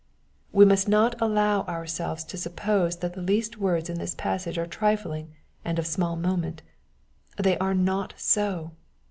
We must not allow ourselves to suppose that the least words in this passage are trifling and of small moment. They are not so.